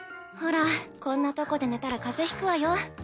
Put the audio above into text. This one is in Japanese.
ほらこんなとこで寝たら風邪ひくわよ。